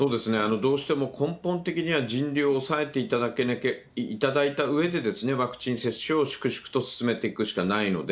どうしても根本的には人流を抑えていただいたうえでワクチン接種を粛々と進めていくしかないので。